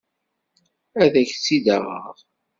Ad ak-tt-id-aɣeɣ.